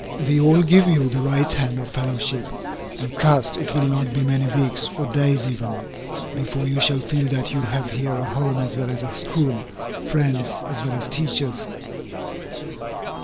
We all give you the right hand of fellowship, and trust it will not be many weeks, or days even, before you shall feel that you have here a home as well as a school, friends as well as teachers.